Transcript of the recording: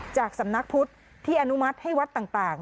จากสำนักพุทธที่อนุมัติให้วัดต่าง